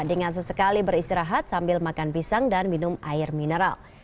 dengan sesekali beristirahat sambil makan pisang dan minum air mineral